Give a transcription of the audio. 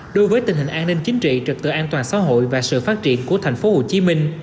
đối với tình hình an ninh chính trị trực tựa an toàn xã hội và sự phát triển của tp hcm